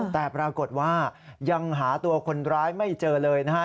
แต่ปรากฏว่ายังหาตัวคนร้ายไม่เจอเลยนะฮะ